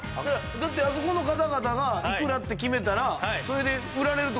だってあそこの方々がいくらって決めたらそれで売られるって事やろ？